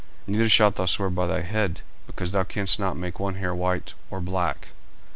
40:005:036 Neither shalt thou swear by thy head, because thou canst not make one hair white or black.